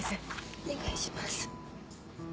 お願いします。